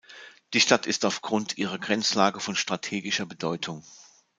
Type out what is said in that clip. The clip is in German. Die Stadt ist aufgrund ihrer Grenzlage von strategischer Bedeutung.